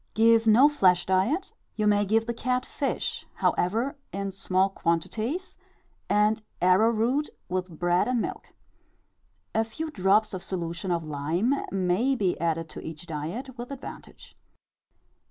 Give no flesh diet; you may give the cat fish, however, in small quantities, and arrowroot with bread and milk. A few drops of solution of lime may be added to each diet with advantage.